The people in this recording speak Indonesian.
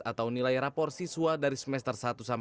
atau nilai rapor siswa dari semester satu